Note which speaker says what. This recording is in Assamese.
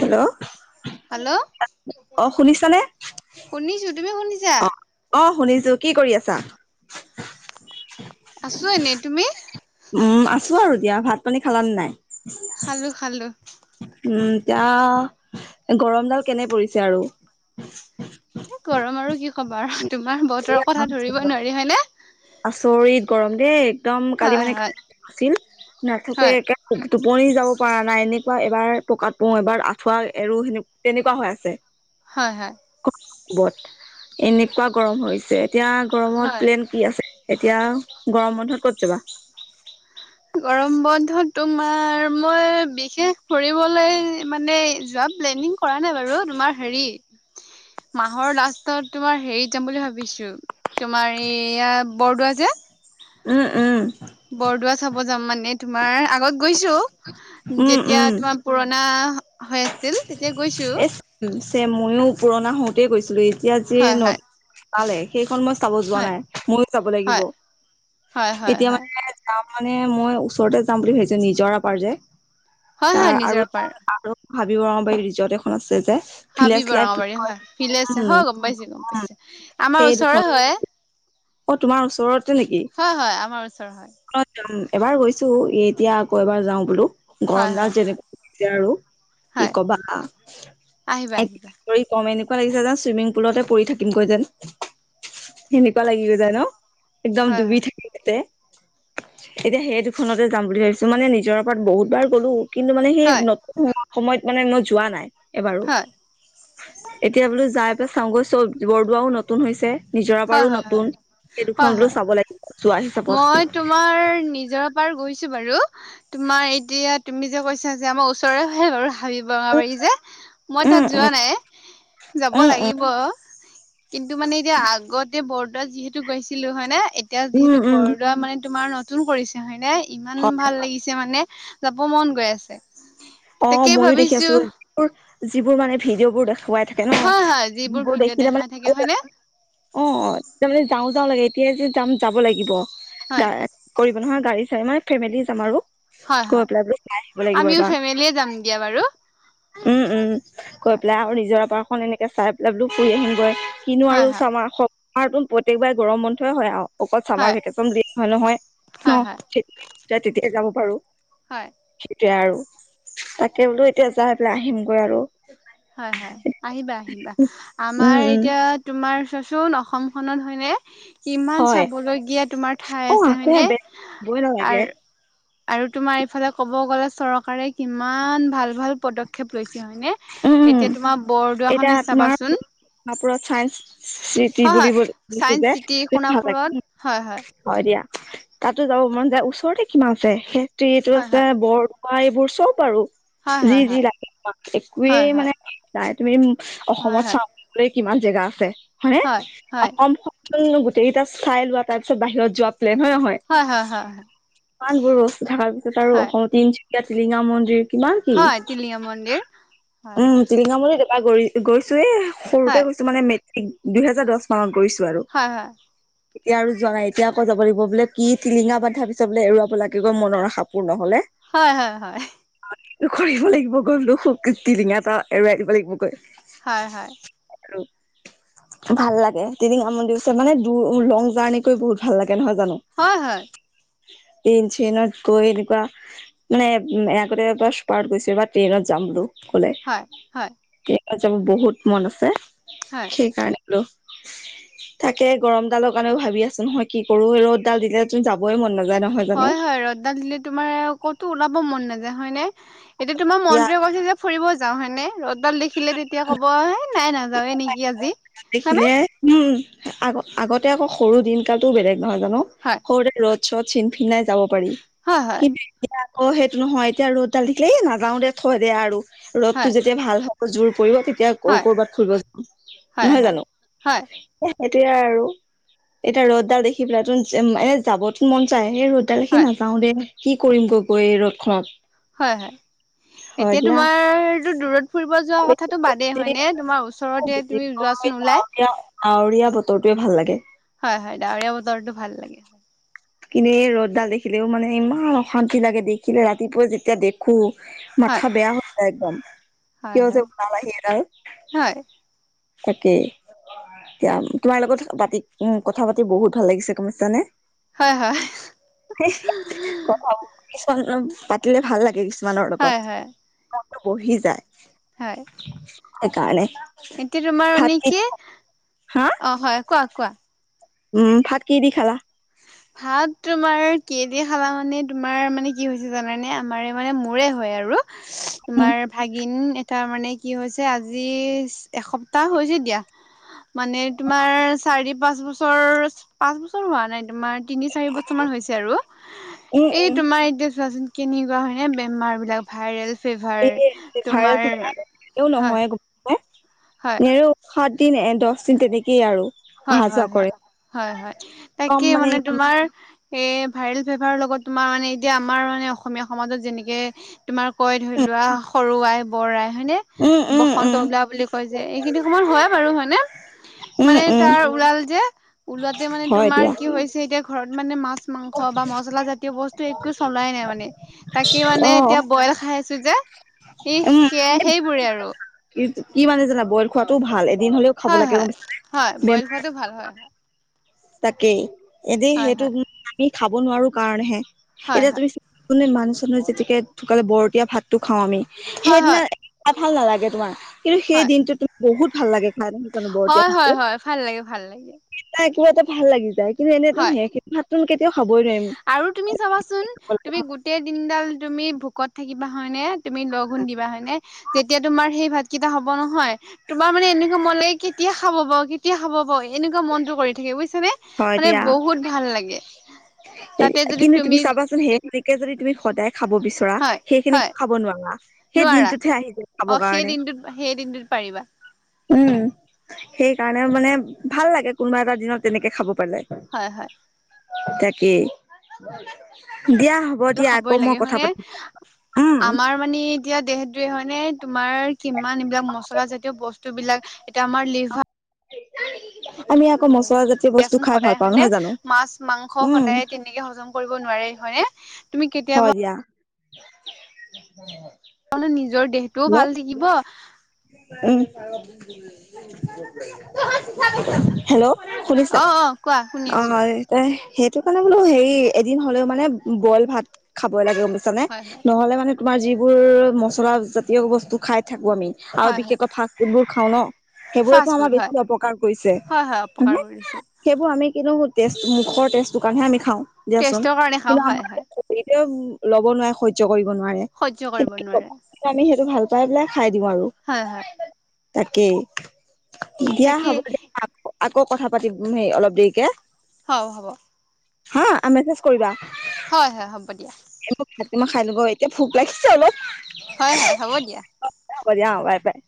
Speaker 1: Hello
Speaker 2: [inaudible] hello!
Speaker 1: অ শুনিছানে
Speaker 2: শুনিছো তুমি শুনিছা?
Speaker 1: অ অ শুনিছো কি কৰি আছা?
Speaker 2: আছো এনেই, তুমি?
Speaker 1: উম আছো আৰু দিয়া ভাত- পানী খালা নে নাই?
Speaker 2: খালোঁ খালোঁ।
Speaker 1: উম এতিয়া গৰমডাল কেনে পৰিছে আৰু?
Speaker 2: এ গৰম আৰু কি ক'ব আৰু তোমাৰ বহুত
Speaker 1: আচৰিত গৰম দেই একদম কালি
Speaker 2: হয়
Speaker 1: মানে
Speaker 2: হয়
Speaker 1: আছিল নাথো
Speaker 2: হয়
Speaker 1: একৈ [unintelligible] টোপনি যাব পৰা নাই এনেকুৱা এবাৰ পকাত পওঁ, এবাৰ আঁঠুৱা এৰো, সেনে তেনেকুৱা হৈ আছে।
Speaker 2: হয় হয়।
Speaker 1: কবত এনেকুৱা গৰম হৈছে, এতিয়া গৰমত
Speaker 2: হয়
Speaker 1: প্লেন কি আছে? এতিয়া গৰম বন্ধত ক'ত যাবা?
Speaker 2: গৰম বন্ধত তোমাৰ মই বিশেষ ফুৰিবলৈ মানে যোৱা প্লেনিং কৰা নাই বাৰু তোমাৰ হেৰি
Speaker 1: [inaudible]
Speaker 2: মাহৰ লাষ্টত তোমাৰ হেৰিত যাম বুলি ভাবিছো, তোমাৰ এইয়া বৰদোৱা যে
Speaker 1: উম উম।
Speaker 2: বৰদোৱা চাব যাম মানে তোমাৰ আগত গৈছো,
Speaker 1: উম
Speaker 2: যেতিয়া
Speaker 1: উম
Speaker 2: তোমাৰ পুৰণা হৈ আছিল তেতিয়া গৈছো
Speaker 1: এ ছেম ময়ো পুৰণা হওঁতেই গৈছিলো এতিয়া যে
Speaker 2: হয়
Speaker 1: ন
Speaker 2: হয়
Speaker 1: পালে সেইখন মই চাব যোৱা
Speaker 2: হয়
Speaker 1: নাই ময়ো যাব লাগিব,
Speaker 2: হয় হয় হয়
Speaker 1: এতিয়া
Speaker 2: হয়
Speaker 1: মানে যা মানে মই ওচৰতে যাম বুলি ভাবিছো নিজৰপাৰ যে
Speaker 2: হয়
Speaker 1: তাৰ
Speaker 2: হয়
Speaker 1: আৰু
Speaker 2: নিজে
Speaker 1: এখন
Speaker 2: আপাৰ
Speaker 1: আৰু হাবি ব ৰঙাবাৰি এই ৰিজৰ্ট এখন আছে যে।
Speaker 2: হাবি
Speaker 1: ভিলেজ
Speaker 2: ব
Speaker 1: লাইফ বুলি
Speaker 2: ৰঙবাৰী
Speaker 1: কয়
Speaker 2: হয়
Speaker 1: উম
Speaker 2: ভিলেছে হয় গম পাইছো গম পাইছো, আমাৰ
Speaker 1: সেই
Speaker 2: ওচৰে
Speaker 1: দুখন
Speaker 2: হয়।
Speaker 1: অ তোমাৰ ওচৰত
Speaker 2: হয় হয় আমাৰ ওচৰ হয়।
Speaker 1: এবাৰ গৈছো এতিয়া আকৌ এবাৰ যাওঁ বোলো।
Speaker 2: হয়
Speaker 1: গৰম দান
Speaker 2: হয় হয়
Speaker 1: যেনেকুৱা হৈছে আৰু
Speaker 2: হয়
Speaker 1: কি কবা?
Speaker 2: আহিবা আহিবা।
Speaker 1: কম এনেকুৱা লাগি যায় যান চুইমিং পুলতে পৰি থাকিমগৈ যেন, সেনেকুৱা লাগি গৈ যায় ন। একদম
Speaker 2: হয়
Speaker 1: ডুবি
Speaker 2: হয়
Speaker 1: থাকে তাতে। এতিয়া সেই দুখনতে যাম বুলি ভাবিছো মানে নিজৰ ওপৰত বহুত বাৰ গলো কিন্তু মানে সেই
Speaker 2: হয়
Speaker 1: নতুন হোৱা সময়ত মানে মই যোৱা নাই এবাৰো।
Speaker 2: হয়
Speaker 1: এতিয়া বোলো যাই পেলাই চাওঁগৈ চব বৰদোৱাও নতুন হৈছে। নিজৰা
Speaker 2: হয়
Speaker 1: বাৰু
Speaker 2: হয়
Speaker 1: নতুন,
Speaker 2: হয়
Speaker 1: সেই
Speaker 2: হয়
Speaker 1: দুখনলৈ
Speaker 2: হয়
Speaker 1: চাব লাগিব চোৱা হিচাপত।
Speaker 2: মই তোমাৰ নিজৰা পাৰ গৈছো বাৰু, তোমাৰ এতিয়া তুমি যে কৈছা যে আমাৰ ওচৰে হয়ে বাৰু। ভাবিব ৰঙাবাৰী যে মই তাত
Speaker 1: উম উম
Speaker 2: যোৱা নাই, যাব
Speaker 1: উম উম
Speaker 2: লাগিব। কিন্তু মানে এতিয়া আ এতিয়া বৰদুৱাত যিহেতু গৈছিলো হয় নে এতিয়া
Speaker 1: উম উম
Speaker 2: যিহেতু
Speaker 1: উম
Speaker 2: বৰদোৱা মানে তোমাৰ নতুন কৰিছে হয় নাই ইমান
Speaker 1: হয়
Speaker 2: ভাল লাগিছে মানে, যাব মন গৈ আছে।
Speaker 1: অ
Speaker 2: তাকেই
Speaker 1: মইয়ো দেখি
Speaker 2: ভাবিছো
Speaker 1: আছো, যিবোৰ মানে ভিডিঅ'বোৰ দেখুৱাই থাকে ন,
Speaker 2: হয় হয়
Speaker 1: যিবোৰ
Speaker 2: ভিডিঅ'
Speaker 1: দেখি তাৰ
Speaker 2: দেখাই থাকে
Speaker 1: মানে
Speaker 2: হয়নে
Speaker 1: অ তাৰমানে যাওঁ [unintelligible] যাব লাগে এতিয়া যে যাম যাব লাগিব, গা
Speaker 2: হয়
Speaker 1: কৰিব নহয় গাড়ী চাই মানে ফেমিলি যাম আৰু।
Speaker 2: হয়
Speaker 1: কৈ
Speaker 2: হয়
Speaker 1: পেলাই চাই আহিব লাগিব
Speaker 2: আমিও
Speaker 1: এইবাৰ।
Speaker 2: ফেমিলিয়ে যাম দিয়া বাৰু
Speaker 1: উম উম, গৈ
Speaker 2: হয়
Speaker 1: পেলাই আৰু নিজৰ পাৰ এখন এনেকে চাই পেলাই বলো ফুৰি আহিমগৈ কিনো
Speaker 2: হয়
Speaker 1: আৰু
Speaker 2: হয়
Speaker 1: চামাৰ আমাৰ চোন প্ৰত্যেকবাৰে গৰম বন্ধয়ই হয় আৱ অকল চামাৰ
Speaker 2: হয়
Speaker 1: ভেকেচন দিয়া হয় নহয় ন
Speaker 2: হয় হয়
Speaker 1: যেতিয়া মন যায় তেতিয়াই যাব পাৰো
Speaker 2: হয়
Speaker 1: এতিয়া আৰু তাকে বোলো এতিয়া যাই পেলাই আহিমগৈ আৰু
Speaker 2: হয় হয় আহিবা আহিবা আমাৰ
Speaker 1: উম, উম,
Speaker 2: এতিয়া তোমাৰ চোন অসমখনত হয়নে? কিমান
Speaker 1: হয়
Speaker 2: চাবলগীয়া তোমাৰ ঠাই
Speaker 1: অ',
Speaker 2: আছে হয়নে?
Speaker 1: বেগ বই
Speaker 2: আ
Speaker 1: নালাগে
Speaker 2: আৰু তোমাৰ এইফালে কব গলে চৰকাৰে কিমান ভাল ভাল পদক্ষেপ লৈছে হয়নে?
Speaker 1: উম,
Speaker 2: এতিয়া তোমাৰ
Speaker 1: এতিয়া
Speaker 2: বৰদোৱাখনে
Speaker 1: তোমাৰ
Speaker 2: চাবাচোন
Speaker 1: কাপোৰত চাইনস চিতি
Speaker 2: হয়
Speaker 1: বুলি
Speaker 2: হয়
Speaker 1: লিখে
Speaker 2: চাইন্স
Speaker 1: যে
Speaker 2: চিটি
Speaker 1: সেইতো ভাল
Speaker 2: সোণাপুৰত
Speaker 1: লাগে।
Speaker 2: হয়
Speaker 1: হয় দিয়া, তাতো যাব মন যায় ওচৰতে কিমান আছে ফেক্টৰীতো
Speaker 2: হয়
Speaker 1: আছে বৰ অ এইবোৰ চব আৰু যি
Speaker 2: হয়
Speaker 1: যি
Speaker 2: হয়
Speaker 1: লাগে
Speaker 2: হয়
Speaker 1: একোৱেই
Speaker 2: হয়
Speaker 1: মানে নাই, তুমি
Speaker 2: হয়
Speaker 1: অসমত
Speaker 2: হয়
Speaker 1: চাবলৈ কিমান জেগা আছে হয়নে?
Speaker 2: হয় হয়
Speaker 1: অসমখ ন গোটেইকেইটা চাই লোৱা তাৰপিছত বাহিৰত যোৱা লে হয় নহয়?
Speaker 2: হয় হয় হয় হয় হয়
Speaker 1: ইমানবোৰ বস্তু থকাৰ পিছত আৰু
Speaker 2: হয়
Speaker 1: অসমত তিন তিনচুকীয়া টিলিঙা মন্দিৰ কিমান কি,
Speaker 2: হয় টিলিঙা মন্দিৰ হয়
Speaker 1: উম
Speaker 2: হয়
Speaker 1: টিলিঙা মন্দিৰ দে পা গৰি গৈছোয়ে
Speaker 2: হয়
Speaker 1: সৰুতে গৈছো মানে মেট্ৰিক দুইহেজাৰ দশ মানত গৈছোঁ।
Speaker 2: হয় হয়।
Speaker 1: এতিয়া আৰু যোৱা নাই এতিয়া আকৌ যাব লাগিব বোলে কি টিলিঙা বান্ধা পিছত বোলে এৰুৱাব লাগিব মনৰ আশাপূৰ্ণ হলে।
Speaker 2: হয় হয় হয়।
Speaker 1: কৰিব লাগিব গলো টি -টিলিঙা এটা এৰুৱাই দিব লাগিব গৈ।
Speaker 2: হয় হয়।
Speaker 1: আৰু ভাল লাগে টিলিঙা মন্দিৰ ওচৰত মানে দূৰ লং জাৰ্ণি কৰি বহুত ভাল লা কে নহয় জানো?
Speaker 2: হয় হয় হয়
Speaker 1: ট্ৰেইন -চেইনত গৈ এনেকুৱা মানে আগতে এক বা চুপাৰত গৈছো এইবা ট্ৰেইনত যাম বোলো।
Speaker 2: হয় হয়।
Speaker 1: তাত যাব বহুত মন আছে,
Speaker 2: হয়
Speaker 1: সেইকাৰণে লো, থাকে গৰম ডালৰ কাৰণে ভাবি আছো নহয় কি কৰো ৰ'দডাল দিলেছোন যা
Speaker 2: হয় হয় ৰদডাল দিলে তোমাৰ কতো ওলাব মন নাযায় হয় নে? এতিয়া তোমাৰ
Speaker 1: ইয়াত
Speaker 2: মনটোৱে কৈছে যে ফুৰিব যাওঁ হয়নে ৰ'দডাল দেখিলে তেতিয়া কব নাই নাজা নাজাওয়ে নেকি আজি হয়
Speaker 1: দেখিলে
Speaker 2: নে
Speaker 1: উম আগ আগতে আকৌ সৰু দিন কালটোও বেলেগ নহয় জানো
Speaker 2: হয়
Speaker 1: সৰুতে ৰ'দ চ'দ ফিনফিনাই যাব পাৰি
Speaker 2: হয় হয়
Speaker 1: কিন্তু এতিয়া আকৌ সেইটো নহয় এতিয়া ৰ'দডাল দেখিলে এই নাযাও দে থয় দে আৰু ৰ'দটো
Speaker 2: হয়
Speaker 1: যেতিয়া ভাল হব জোৰ পৰিব তেতিয়া কৰ কৰবাত ফুৰিব যাম
Speaker 2: হয় হয়
Speaker 1: নহয়
Speaker 2: হয়।
Speaker 1: জানো
Speaker 2: হয়
Speaker 1: সেইটোয়ে আৰু এতিয়া ৰ'দডাল দেখি পেলাই ত এনে যাবতো মন যায়। এই ৰ'দডাল দেখি
Speaker 2: হয়
Speaker 1: নাযাও দে, কি কৰিম গৈ গৈ এই ৰ'দখনত?
Speaker 2: হয় হয়,
Speaker 1: হয়
Speaker 2: এতিয়া
Speaker 1: দিয়া
Speaker 2: তোমাৰতো দূৰত ফুৰিব যোৱা কথাটো বাদেই হয়নে? তোমাৰ ওচৰতে তুমি যোৱাচোন ওলাই
Speaker 1: ডাৱৰীয়া ডাৱৰীয়া বতৰটোৱে ভাল লাগে
Speaker 2: হয় হয় ডাৱৰীয়া বতৰটো ভাল লাগে হয়।
Speaker 1: কিনে ৰ'দডাল দেখিলেও মানে ইমান অশান্তি লাগে দেখিলে ৰাতিপুৱাই যেতিয়া দে খো
Speaker 2: হয়
Speaker 1: মাথা বেয়া হৈ যায় একদম,
Speaker 2: হয়
Speaker 1: কিয় যে
Speaker 2: হয়।
Speaker 1: ওলাল আহি এডাল?
Speaker 2: হয়
Speaker 1: তাকে। এতিয়া তোমাৰ লগত পাতি উম কথা পাতি বহুত ভাল লাগিছে গম পাইছা নে?
Speaker 2: হয় হয়
Speaker 1: [inaudible] পাতিলে ভাল লাগে কিছুমানৰ লগত,
Speaker 2: হয় হয়
Speaker 1: মনটো বহি যায়।
Speaker 2: হয়।
Speaker 1: সেই কাৰণে।
Speaker 2: এতিয়া তোমাৰ মানে কি, অ হয় কোৱা কোৱা?
Speaker 1: উম, ভাত কি দি খালা?
Speaker 2: ভাত তোমাৰ কি দি খালা মানে তোমাৰ মানে কি হৈছে জানানে আমাৰে মানে মোৰে হয় আৰু
Speaker 1: উম
Speaker 2: তোমাৰ ভাগিন এটা মানে কি হৈছে আজি এসপ্তাহ হৈছে দিয়া। মানে তোমাৰ চাৰি -পাঁচ বছৰ পাঁচ বছৰ হোৱা নাই তোমাৰ তিনি -চাৰি বছৰ মান হৈছে আৰু
Speaker 1: উম
Speaker 2: এই
Speaker 1: উম
Speaker 2: তোমাৰ এতিয়া চোৱাচোন কেনেকোৱা হয় নে বেমাৰ বিলাক ভাইৰেল। ফিভাৰ তোমাৰ
Speaker 1: ও
Speaker 2: হয়
Speaker 1: নহয়
Speaker 2: হয়
Speaker 1: এ সাত দিন এ দহ দিন তেনেকেই আৰু।
Speaker 2: হয়
Speaker 1: অহা
Speaker 2: হয়
Speaker 1: যোৱা কৰে
Speaker 2: হয় হয় হয়
Speaker 1: কম
Speaker 2: তাকে মানে
Speaker 1: উম
Speaker 2: তোমাৰ এ ভাইৰেল ফেভাৰৰ লগত তোমাৰ মানে এতিয়া আমাৰ মানে অসমীয়া সমাজত যেনেকে তোমাৰ কয় ধৰি লোৱা সৰুআই, বৰ আই, হয়নে
Speaker 1: উম উম
Speaker 2: বসন্ত ওলোৱা বুলি কয় যে এইখিনি সময়ত হয় বাৰু হয়নে
Speaker 1: উম
Speaker 2: মানে
Speaker 1: উম
Speaker 2: তাৰ ওলাল যে ওলাতে মানে
Speaker 1: হয়
Speaker 2: তোমাৰ
Speaker 1: দিয়া
Speaker 2: কি হৈছে এতিয়া ঘৰত মানে মাছ মাংস বা মচলা জাতীয় বস্তু একো চলাই নাই মানে তাকে
Speaker 1: অ
Speaker 2: মানে এতিয়া বইল খায় আছো যে এই সেয়া সেইবোৰে আৰু।
Speaker 1: কি কি মানে জানা বইল খোৱাটোও ভাল এদিন হলেও খাব
Speaker 2: হয়
Speaker 1: লাগে
Speaker 2: হয়
Speaker 1: গম পাইছা নে
Speaker 2: হয় বইল
Speaker 1: বেমাৰ
Speaker 2: খোৱাটো ভাল হয়
Speaker 1: তাকেই এদিন
Speaker 2: হয়
Speaker 1: সেইটো
Speaker 2: হয়
Speaker 1: আমি খাব নোৱাৰো কাৰণেহে
Speaker 2: হয় হয়
Speaker 1: এতিয়া
Speaker 2: হয়
Speaker 1: তুমি কোনে মানুহ চানুহ যেতিকে ঢুকালে বৰটীয়া ভাতটো খাওঁ আমি
Speaker 2: হয়
Speaker 1: সেইদিনা
Speaker 2: হয়
Speaker 1: ভাল নালাগে তোমাৰ কিন্তু সেই
Speaker 2: হয়
Speaker 1: দিনটো তুমি বহুত ভাল লাগে খাইনো বৰ দিয়া
Speaker 2: হয় হয়
Speaker 1: খাবলৈ
Speaker 2: হয় ভাল লাগে ভাল লাগে
Speaker 1: কিবা এটা ভাল লাগি যায় কিন্তু এনেতো
Speaker 2: হয়
Speaker 1: সেই ভাতটো কেতিয়াও খাবই নোৱাৰিম
Speaker 2: আৰু তুমি চাবাচোন তুমি গোটেই দিনডাল তুমি ভোকত থাকিবা হয় নে তুমি লঘোণ দিবা হয় নে যেতিয়া তোমাৰ সেই ভাত কেইটা হব নহয় তোমাৰ মানে এনেকোৱা মন লাগে কেতিয়া খাব পাও কেতিয়া খাব পাও এনেকোৱা মনতো‌ কৰি থাকে বুইছেনে।
Speaker 1: হয়
Speaker 2: মানে
Speaker 1: দিয়া
Speaker 2: বহুত ভাল লাগে। তাতে যদি
Speaker 1: কিন্তু তুমি চাবাচোন সেইখিনিকে যদি তুমি সদায় খাব বি চৰা
Speaker 2: হয়
Speaker 1: সেইখিনিক
Speaker 2: হয়
Speaker 1: খাব নোৱাৰা সেই
Speaker 2: নোৱাৰা
Speaker 1: দিনটোতহে আহি যায় খাব
Speaker 2: অ সেই
Speaker 1: কাৰণে।
Speaker 2: দিনটোত সেই দিনটোত পাৰিবা
Speaker 1: উম সেই কাৰণে মানে ভাল লাগে কোনোবা এটা দিনত তেনেকে খাব। পালে
Speaker 2: হয় হয়
Speaker 1: তাকেই দিয়া হ'ব দিয়া আকৌ
Speaker 2: খাবই
Speaker 1: মই
Speaker 2: লাগে
Speaker 1: কথা
Speaker 2: হয় নে
Speaker 1: পাতিম উম
Speaker 2: আমাৰ মানে এতিয়া দেহ দেহটোয়ে হয় নে তোমাৰ কিমান এইবিলাক মচলাজাতীয় বস্তুবিলাক এতিয়া আমাৰ লিভাৰ
Speaker 1: আমি আকৌ মচ
Speaker 2: দিয়াচোন সদায় হয়নে মাছ মাংস
Speaker 1: উম
Speaker 2: সদায় তেনেকে হজম কৰিব নোৱাৰে হয়নে। তুমি কেতিয়াবা
Speaker 1: হয় দিয়া।
Speaker 2: মানে নিজৰ দেহটোও ভাল থাকিব
Speaker 1: উ হেল্ল শুনিছা
Speaker 2: অ অ কোৱা শুনি
Speaker 1: অ
Speaker 2: আছো
Speaker 1: তাই সেই সেইটো কাৰণে বোলো হেৰি এদিন হলেও মানে বইল ভাত খাবই লাগে বুজিছানে
Speaker 2: হয় হয়
Speaker 1: নহ'লে মানে আমাৰ যিবোৰ মছলা জাতীয় বস্তু খাই থাকো আমি আৰু
Speaker 2: হয় হয়
Speaker 1: বিশেষকৈ ফাষ্ট ফুড বোৰ খাও ন
Speaker 2: ফাষ্ট
Speaker 1: সেইবোৰেতো
Speaker 2: ফুড
Speaker 1: আমাৰ
Speaker 2: হয়
Speaker 1: বেছি অপকাৰ কৰিছে।
Speaker 2: হয় হয়
Speaker 1: হয়নে
Speaker 2: অপকাৰ কৰিছে
Speaker 1: সেইবোৰ আমি কিন্তু টেষ্ট মুখৰ তেষ্টটোৰ কাৰণেহে আমি খাও দিয়াচোন
Speaker 2: টেষ্টৰ কাৰণে খাওঁ
Speaker 1: কিন্তু
Speaker 2: হয়
Speaker 1: আমাৰ
Speaker 2: হয়
Speaker 1: ল'ব নোৱাৰে সহ্য কৰিব নোৱাৰে
Speaker 2: সহ্য কৰিব
Speaker 1: কিন্তু
Speaker 2: নোৱাৰে
Speaker 1: আমি সেইটো ভাল পাই পেলাই খাই দিওঁ আৰু।
Speaker 2: হয় হয়।
Speaker 1: তাকেই দিয়া
Speaker 2: তাকেই
Speaker 1: হ'ব দিয়া হ আকৌ কথা পাতিম দেই অলপ দেৰিকে।
Speaker 2: হব হ'ব
Speaker 1: হা মেছেজ কৰিবা
Speaker 2: হয় হয় হ'ব দিয়া
Speaker 1: খাই লব এতিয়া ভোক লাগিছে অলপ
Speaker 2: হয় হয় হ'ব দিয়া
Speaker 1: হব দিয়া অ বাই বাই